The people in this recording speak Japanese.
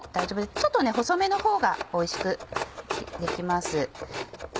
ちょっと細めのほうがおいしく出来ます。